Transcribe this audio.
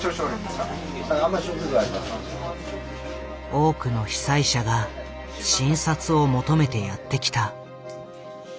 多くの被災者が診察を求めてやって来た。